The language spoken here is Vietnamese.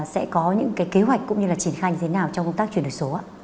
sẽ có những cái kế hoạch cũng như là triển khai như thế nào trong công tác chuyển đổi số ạ